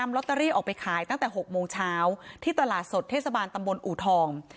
หกโมงเช้าที่ตลาดสดเทศบาลตำบลอู่ทอง